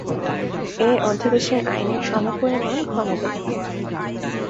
এ অধ্যাদেশের আইনের সমপরিমাণ ক্ষমতা থাকে।